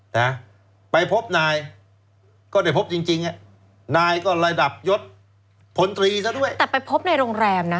นะไปพบนายก็ได้พบจริงจริงอ่ะนายก็ระดับยศพลตรีซะด้วยแต่ไปพบในโรงแรมนะ